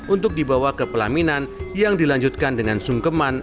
untuk dibawa ke pelaminan yang dilanjutkan dengan sungkeman